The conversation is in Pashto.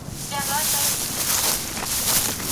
دا د ذهني استعمار پر وړاندې مبارزه ده،